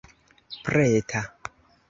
preta